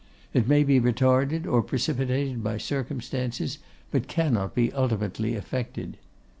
It may be retarded or precipitated by circumstances, but cannot be ultimately affected.